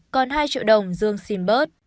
còn hai triệu đồng dương xin bớt